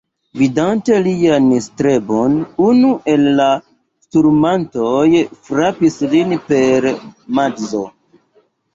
Vidante lian strebon, unu el la sturmantoj frapis lin per madzo.